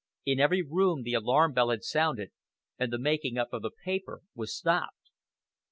In every room the alarm bell had sounded, and the making up of the paper was stopped!